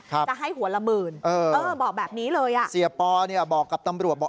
จะให้หัวละหมื่นเออเออบอกแบบนี้เลยอ่ะเสียปอเนี่ยบอกกับตำรวจบอก